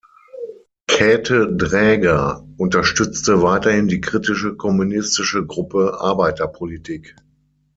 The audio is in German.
Käthe Draeger unterstützte weiterhin die kritische kommunistische Gruppe Arbeiterpolitik.